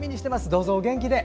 どうぞ、お元気で。